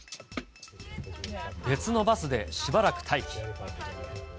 別のバスでしばらく待機。